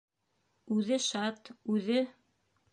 Үҙе шат, үҙе...